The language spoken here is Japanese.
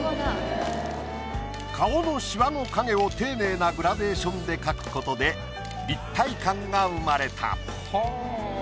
顔のシワの影を丁寧なグラデーションで描くことで立体感が生まれた。